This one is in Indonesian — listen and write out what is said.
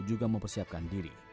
juga mempersiapkan diri